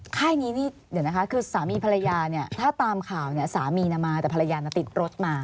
ค่ายนี้นี่เดี๋ยวนะคะคือสามีภรรยาเนี่ยถ้าตามข่าวเนี่ยสามีมาแต่ภรรยาน่ะติดรถมา